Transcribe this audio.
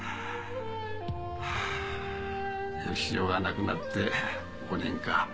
はぁ善男が亡くなって５年か。